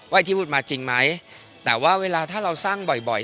ไอ้ที่พูดมาจริงไหมแต่ว่าเวลาถ้าเราสร้างบ่อยบ่อย